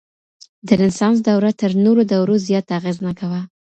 د رنسانس دوره تر نورو دورو زياته اغېزناکه وه.